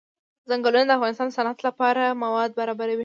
ځنګلونه د افغانستان د صنعت لپاره مواد برابروي.